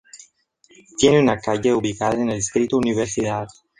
Tiene una calle ubicada en el distrito Universidad.